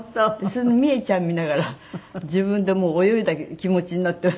そのミエちゃん見ながら自分でもう泳いだ気持ちになって。